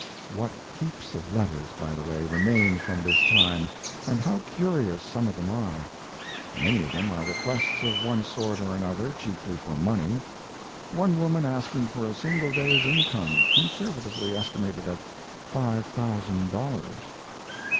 What heaps of letters, by the way, remain from this time, and how curious some of them are! Many of them are requests of one sort or another, chiefly for money one woman asking for a single day's income, conservatively estimated at five thousand dollars.